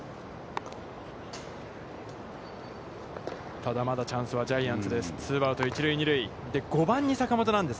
ただまだチャンスはジャイアンツです。